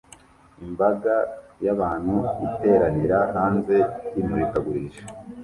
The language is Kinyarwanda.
Imbaga y'abantu iteranira hanze imurikagurisha